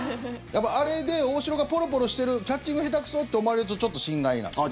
あれで大城がポロポロしてるキャッチング下手くそって思われるとちょっと心外なんですよね。